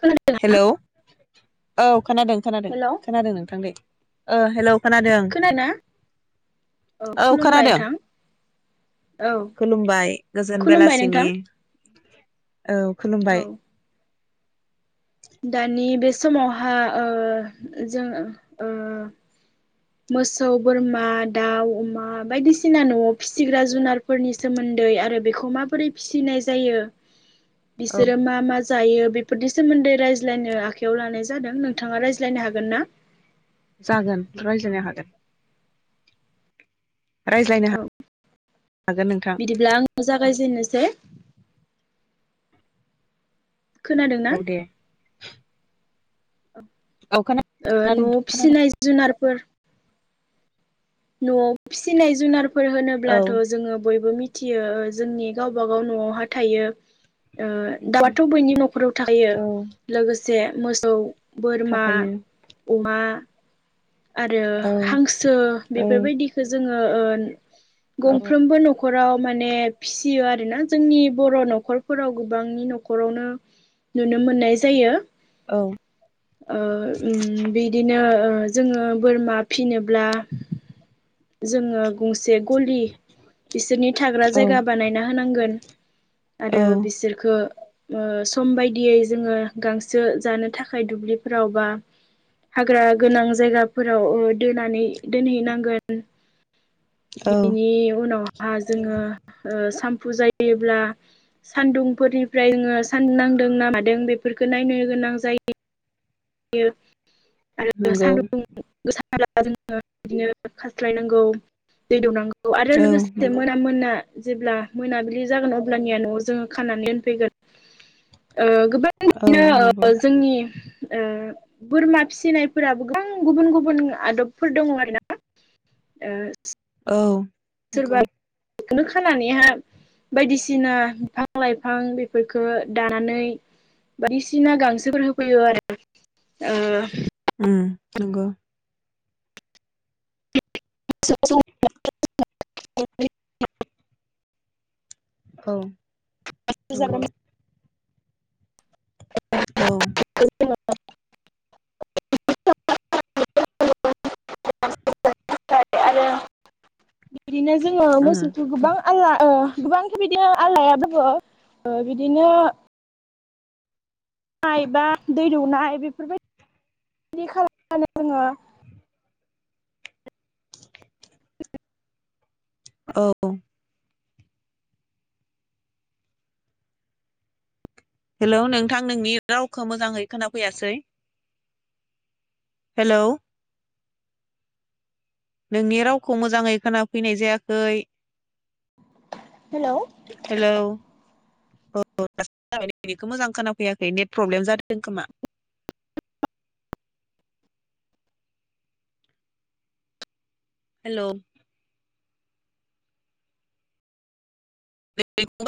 खोनादों हेलौ औ खोनादों खोनादों हेलौ खोनादों नोंथां दै ओ हेलौ खोनादों खोनादोंना औ खुलुमबाय खोनादों नोंथां औ खुलुमबाय गोजोन खुलुमबाय नोंथां बेलासिनि औ औ खुलुमबाय । दानि बे समावहा ओ जों ओ मोसौ बोरमा दाउ अमा बायदिसिना नआव फिसिग्रा जुनारफोरनि सोमोन्दै आरो बेखौ माबोरै फिसिनाय जायो औ बिसोरो मा मा जायो बेफोरनि सोमोन्दै रायज्लायनो आखाइयाव लानाय जादों नोंथाङा रायज्लायनो हागोन ना? जागोन रायज्लायनो हागोन रायज्लायनो औ हागोन नोंथां बिदिब्ला आंङो जागायजेन्नो सै खोनादों ना? औ दे औ खोना ओ खोनादों नआव खोनादों फिसिनाय जुनार [unintelligible] नआव फिसिनाय जुनार फोर औ होनोब्लाथ जोंङो बयबो मि थियो जोंनि गावबागाव नआवहा थायो ओ मिथि दाउआथ बैनि नखराव थायो औ लोगोसे मोसौ बोरमा थाखायो अमा आरो औ हांसो औ बेफोरबायदिखौ जोंङो ओ ओ गंफ्रोमबो नखराव माने फिसियो आरना जोंनि बर नखरफोराव गोबांनि नखरावनो नुनो मोन्नाय जायो औ ओ उम बिदिनो जोंङो बोरमा फिनोब्ला जोंङो गंसे गलि बिसोरनि थाग्रा औ जायगा बानायना होनांगोन। औ आरो बिसोरखौ ओ सम बायदियै जोंङो गांसो जानो थाखाय दुब्लिफोराव बा हाग्रा गोनां जायगाफोराव दोनानै दोनहैनांगोन। [inaudible] औ बेनि उनावहा जोंङो ओ साम फुजायोब्ला सानदुंफोरनिफ्राय जोंङो सान नांदोंना मादों बेफोरखौ नायनो गोनां जायो। बे आरो नंगौ सान्दुं गो [unintelligible] जोङो बिदिनो खास्लायनांगौ दै दौनांगौ। औ आरो लोगोसे मोना मोना जेब्ला मोनाबिलि जागोन अब्लानिया न'आव जोङो खानानै दोनफैगोन। ओ औ गोबांनो नंगौ ओ जोंनि ओ बोरमा फिसिनायफोराबो गोबां गुबुन गुबुन आदबफोर दङ आरोना ओ औ नंगौ सोरबा बेखौनो खानानैहाय बायदिसिना बिफां लाइफां बेफोरखौ दानानै बायदिसिना गांसोफोर होफैयो आरो ओ उम नंगौ। [inaudible] [inaudible] औ जाग्रा नंगौ। [inaudible] औ। [unintelligible] आरो बिदिनो जोङो मोसौखौ उम गोबां आल ओ गोबांखि बिदिनो आलाय दोनो बिदिनो नाय बा दै दौनाय बेफोरबायदि खालामनानै जोङो। औ हेलौ नोंथां नोंनि रावखौ मोजाङै खोनाफैयासै। हेलौ नोंनि रावखौ मोजाङै खोनाफैनाय जायाखै। हेल' हेलौ औ जाब बेखौ मोजां खोनाफैयाखै नेट प्रब्लेम जादों खोमा? हेल' [unintelligible]